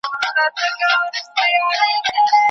زه به نه یم ستا په لار کي به مي پل وي